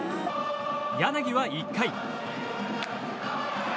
柳は１回。